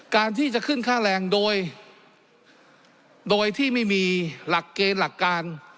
การที่จะขึ้นค่าแรงโดยที่ไม่มีหลักเกณฑ์หลักการ